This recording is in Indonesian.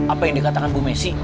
apa yang dikatakan bu messi